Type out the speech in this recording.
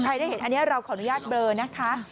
ได้เห็นอันนี้เราขออนุญาตเบลอนะคะ